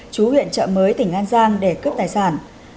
chú huyện trợ mới tỉnh an giang để cướp tài sản